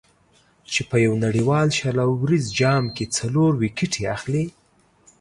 چې په یو نړیوال شل اوریز جام کې څلور ویکټې اخلي.